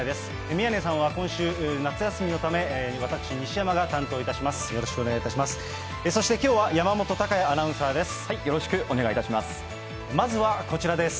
宮根さんは今週、夏休みのため、私、西山が担当いたします。